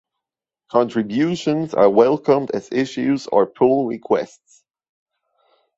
Contributions are welcomed as issues or pull requests